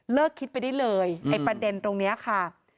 เลิกคิดไปทีเลยประเด็นตรงนี้ค่ะ